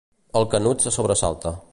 El Canut se sobresalta.